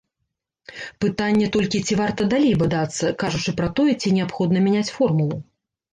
Пытанне толькі, ці варта далей бадацца, кажучы пра тое, ці неабходна мяняць формулу.